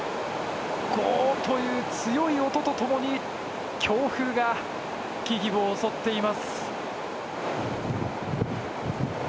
ゴーという強い音とともに強風が木々を襲っています。